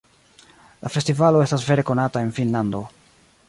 La festivalo estas vere konata en Finnlando.